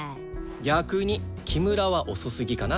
逆に木村は遅すぎかな。